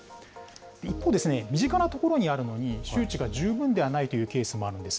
一方、身近な所にあるのに、周知が十分ではないというケースもあるんです。